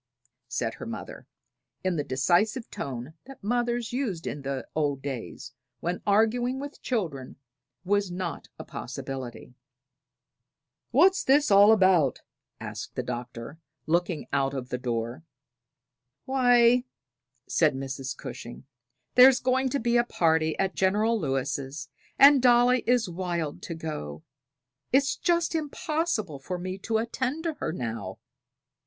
said her mother, in the decisive tone that mothers used in the old days, when arguing with children was not a possibility. "What's all this about?" asked the Doctor, looking out of the door. "Why," said Mrs. Cushing, "there's going to be a party at General Lewis', and Dolly is wild to go. It's just impossible for me to attend to her now."